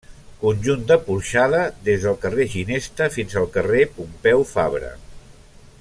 Conjunt de porxada des del carrer Ginesta fins al carrer Pompeu Fabra.